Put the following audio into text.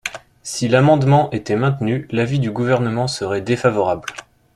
Si l’amendement était maintenu, l’avis du Gouvernement serait défavorable.